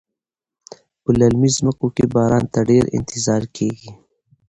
په للمي ځمکو کې باران ته ډیر انتظار کیږي.